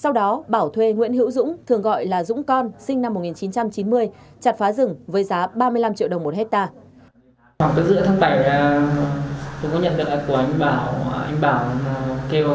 sau đó bảo thuê nguyễn hữu dũng thường gọi là dũng con sinh năm một nghìn chín trăm chín mươi chặt phá rừng với giá ba mươi năm triệu đồng một hectare